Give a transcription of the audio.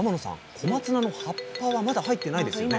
小松菜の葉っぱはまだ入ってないですよね？